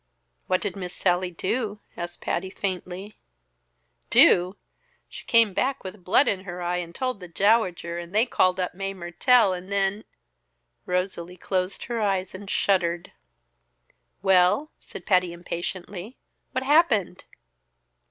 "What did Miss Sallie do?" Patty asked faintly. "Do! She came back with blood in her eye, and told the Dowager, and they called up Mae Mertelle and then " Rosalie closed her eyes and shuddered. "Well," said Patty impatiently. "What happened?"